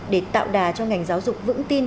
để tạo đà cho ngành giáo dục vững tin